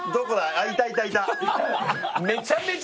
あっいたいたいた